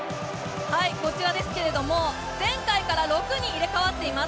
こちらですけれども、前回から６人入れ代わっています。